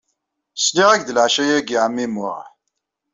Sliɣ-ak-d leɛca-agi, ɛemmi Muḥ.